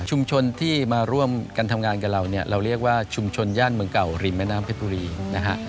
ที่มาร่วมกันทำงานกับเราเนี่ยเราเรียกว่าชุมชนย่านเมืองเก่าริมแม่น้ำเพชรบุรีนะฮะ